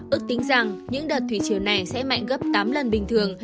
ước tính rằng những đợt thủy chiều này sẽ mạnh gấp tám lần bình thường